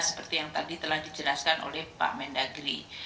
seperti yang tadi telah dijelaskan oleh pak mendagri